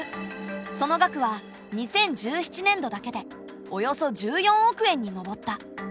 その額は２０１７年度だけでおよそ１４億円に上った。